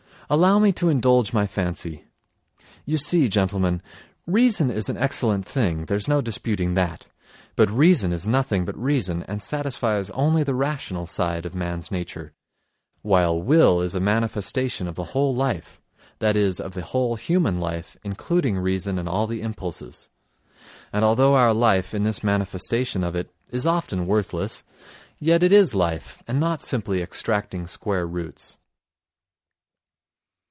Allow me to indulge my fancy. You see, gentlemen, reason is an excellent thing, there's no disputing that, but reason is nothing but reason and satisfies only the rational side of man's nature, while will is a manifestation of the whole life, that is, of the whole human life including reason and all the impulses. And although our life, in this manifestation of it, is often worthless, yet it is life and not simply extracting square roots.